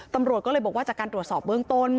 ตำรวจก็เลยบอกว่าจากการตรวจสอบเบื้องต้น